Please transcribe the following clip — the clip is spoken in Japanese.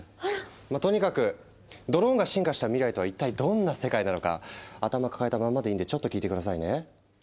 まぁとにかくドローンが進化した未来とは一体どんな世界なのか頭抱えたまんまでいいんでちょっと聞いて下さいね。